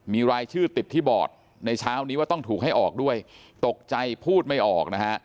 มีรายชื่อติดที่บอร์ดในเช้านี้ว่าต้องถูกให้ออกด้วยตกใจพูดไม่ออกนะฮะ